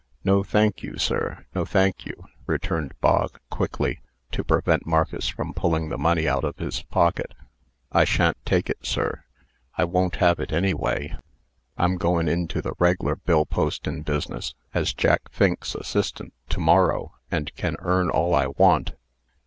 "No, thank you, sir. No, thank you," returned Bog, quickly, to prevent Marcus from pulling the money out of his pocket. "I sha'n't take it, sir; I won't have it anyway. I'm goin' into the reg'lar bill postin' business, as Jack Fink's assistant, to morrow, and can earn all I want."